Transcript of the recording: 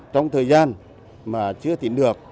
trong thời gian mà chưa tìm được